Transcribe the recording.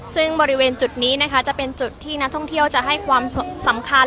ซึ่งบริเวณจุดนี้นะคะจะเป็นจุดที่นักท่องเที่ยวจะให้ความสำคัญ